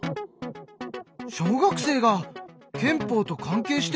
小学生が憲法と関係しているの？